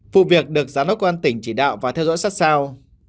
vụ việc được giám đốc công an tỉnh chỉ đạo và theo dõi sát sao